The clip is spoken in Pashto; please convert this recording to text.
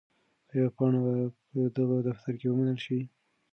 آیا پاڼه به په دغه دفتر کې ومنل شي؟